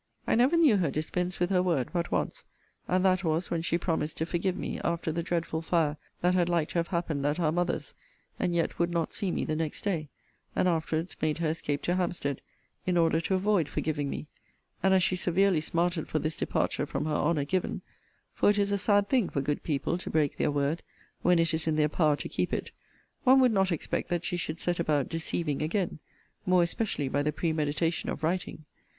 I never knew her dispense with her word, but once; and that was, when she promised to forgive me after the dreadful fire that had like to have happened at our mother's, and yet would not see me the next day, and afterwards made her escape to Hampstead, in order to avoid forgiving me: and as she severely smarted for this departure from her honour given, (for it is a sad thing for good people to break their word when it is in their power to keep it,) one would not expect that she should set about deceiving again; more especially by the premeditation of writing.